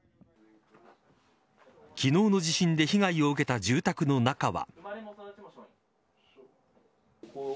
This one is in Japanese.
昨日の地震で被害を受けた住宅の中は。